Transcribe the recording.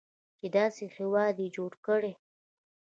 چې داسې هیواد یې جوړ کړی.